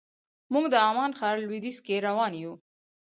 موږ د عمان ښار لویدیځ کې روان یو.